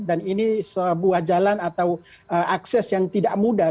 dan ini sebuah jalan atau akses yang tidak mudah